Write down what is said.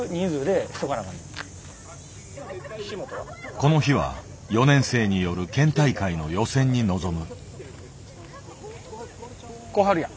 この日は４年生による県大会の予選に臨む。